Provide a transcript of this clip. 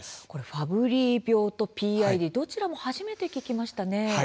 ファブリー病とＰＩＤどちらも初めて聞きました。